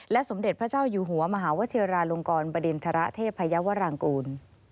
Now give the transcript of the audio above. และสมเด็จพระเจ้าอยู่หัวมหาวเชียราลงกรบรรดินธระเทพพญาวรังกูล